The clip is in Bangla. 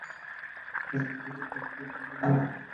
কাজ করতে করতে আজ পিঠ ভেঙ্গে গেল!